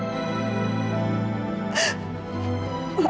saya nggak menyangka hari ini kondisi taufan kembali drop